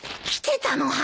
来てたの？